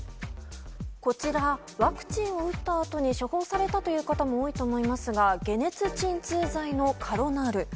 こちら、ワクチンを打ったあとに処方されたという方も多いと思いますが解熱鎮痛剤のカロナール。